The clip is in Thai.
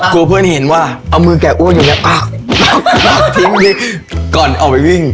ก่อนออกไปวิ่ง